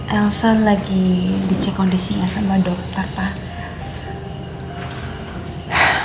elsa lagi di cek kondisinya sama dokter pak